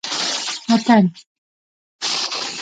وطن